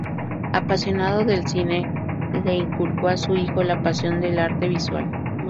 Apasionado del cine, le inculcó a su hijo la pasión del arte visual.